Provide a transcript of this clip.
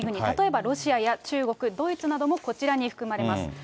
例えばロシアや中国、ドイツなどもこちらに含まれます。